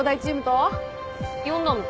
呼んだの。